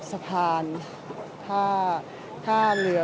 สวัสดีครับ